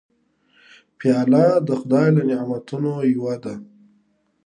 پیاله د خدای له نعمتونو یوه ده.